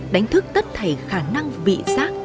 đánh thức tất thầy khả năng vị giác